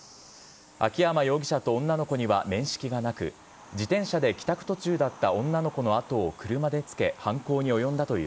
秋山容疑者と女の子には面識はなく、自転車で帰宅途中だった女の子の後を車でつけ、犯行に及んだとい